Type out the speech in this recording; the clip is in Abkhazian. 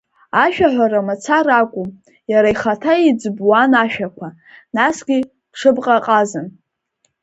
Ашәаҳәара мацара акәым, иара ихаҭа иӡбуан ашәақәа, насгьы дҽыбӷаҟазан.